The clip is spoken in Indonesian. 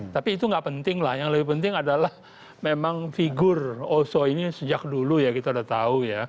tapi itu nggak penting lah yang lebih penting adalah memang figur oso ini sejak dulu ya kita udah tahu ya